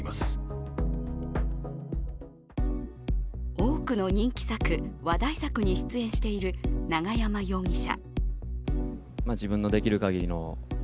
多くの人気作、話題作に出演している永山容疑者。